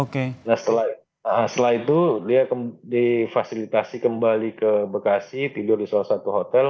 nah setelah itu dia difasilitasi kembali ke bekasi tidur di salah satu hotel